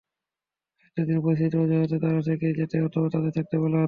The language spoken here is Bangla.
হয়তো সেই পরিস্থিতির অজুহাতে তারা থেকেই যেত অথবা তাদের থাকতে বলা হতো।